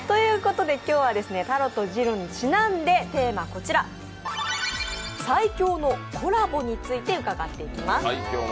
今日はタロとジロにちなんでテーマこちら最強のコラボについて伺っていきます。